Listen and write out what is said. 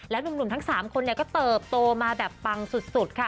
หนุ่มทั้ง๓คนก็เติบโตมาแบบปังสุดค่ะ